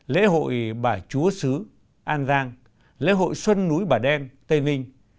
lễ hội bà chúa sứ an giang lễ hội xuân núi bà đen tây ninh